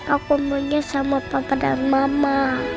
aku mau nyanyi sama papa dan mama